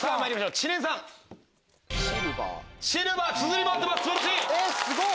知念さんすごっ！